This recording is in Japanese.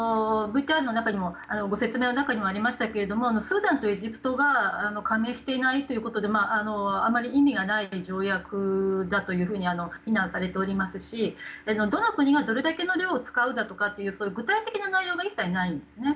ご説明にもありましたがスーダンとエジプトが加盟していないということであまり意味がない条約だと非難されておりますしどの国がどれだけの量を使うだとか具体的な内容は一切ないんですね。